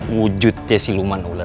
wujudnya siluman ular